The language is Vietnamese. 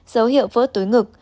dấu hiệu vỡ túi ngực